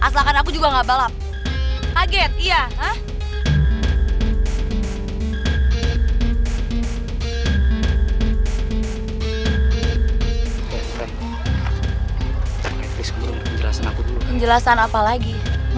rai aku gak bermaksud ini rai